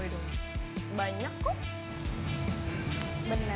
terus dia nanya nanya sama bibi